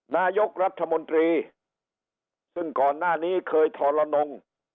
นายกรัฐมนตรีซึ่งก่อนหน้านี้เคยทรนง